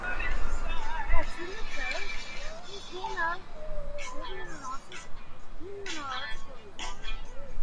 Kashin itself is known as a balneological resort.